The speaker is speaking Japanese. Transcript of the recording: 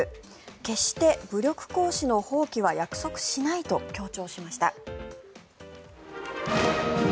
決して武力行使の放棄は約束しないと強調しました。